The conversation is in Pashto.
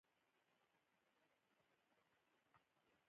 ما وکتل چې هغه په خپل لاس څه جوړوي